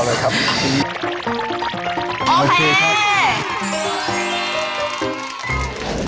แล้วก็คนต่อเลยครับ